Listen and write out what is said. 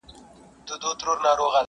په ناحقه وینو سره قصابان ډیر دي,